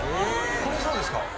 これそうですか？